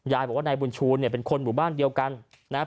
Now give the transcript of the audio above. ยายบอกว่านายบุญชูเนี่ยเป็นคนหมู่บ้านเดียวกันนะครับ